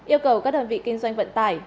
yêu cầu các đơn vị kinh doanh vận tải